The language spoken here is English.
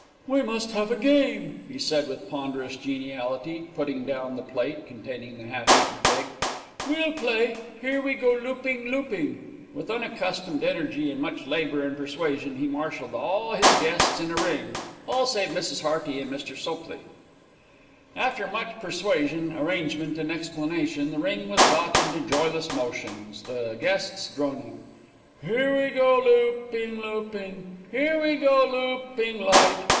"We must have a game," he said with ponderous geniality, putting down the plate containing the half eaten fig. "We'll play 'Here We Go Looping, Looping.'" With unaccustomed energy and much labour and persuasion he marshalled all his guests in a ring, all save Mrs. Hearty and Mr. Sopley. After much persuasion, arrangement, and explanation, the ring was got into joyless motion, the guests droning: "Here we go looping, looping. Here we go looping light.